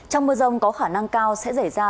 trong mưa rông có khả năng cao sẽ xảy ra